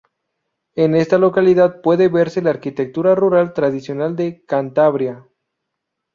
En esta localidad puede verse la arquitectura rural tradicional de Cantabria.